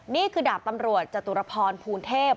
นี่คือดาบตำรวจจตุรพรภูเทพ